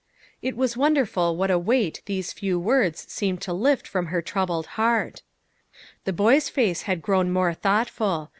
It was wonderful what a weight these few words seemed to lift from her troubled heart. The boy's face had grown more thoughtful.